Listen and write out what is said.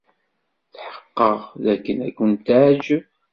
Tḥeqqeqeɣ d akken ad ken-teɛǧeb.